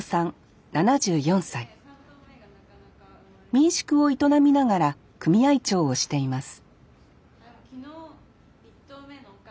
民宿を営みながら組合長をしています